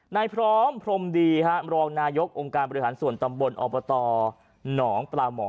นายพร้อมพรดีครับรองนายกองการบริหารส่วนตำบรณน้องประหลังหมอ